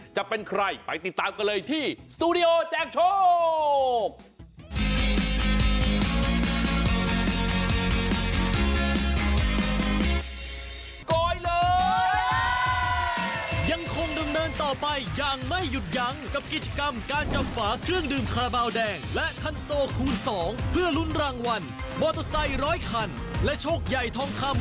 จะเป็นใครไปติดตามกันเลยที่สตูดิโอแจกโชค